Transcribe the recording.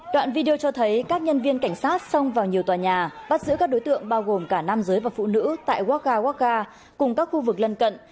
đoạn video cho thấy các nhân viên cảnh sát xông vào nhiều tòa nhà bắt giữ các đối tượng bao gồm cả nam giới và phụ nữ tại wagar waka cùng các khu vực lân cận